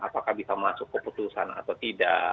apakah bisa masuk keputusan atau tidak